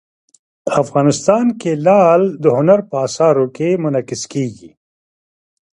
افغانستان کې لعل د هنر په اثار کې منعکس کېږي.